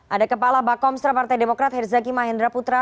ada kepala bakom serapartai demokrat herzaki mahendra putra